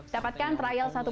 dapatkan trial di cinecom